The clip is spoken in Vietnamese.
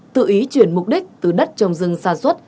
tự ý chuyển mục đích từ đất trồng rừng sản xuất